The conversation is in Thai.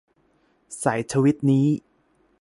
สายทวีตนี้